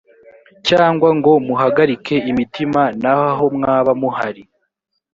cyangwa ngo muhagarike imitima naho mwaba muhari